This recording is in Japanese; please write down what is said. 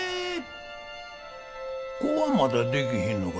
子はまだできひんのか？